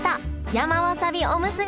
山わさびおむすび！